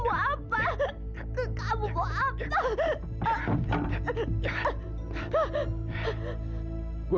bayangkan mu tidak akan kutip aku